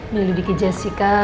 milih dikit jessica